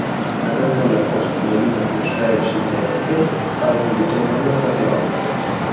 La canzone accosta gelide atmosfere sintetiche a un ritornello accattivante.